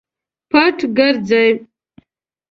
پټ ګرځي.